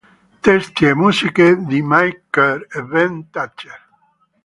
Testi e musiche di Mike Kerr e Ben Thatcher.